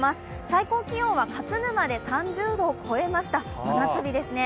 最高気温は勝沼で３０度を超えました、真夏日ですね。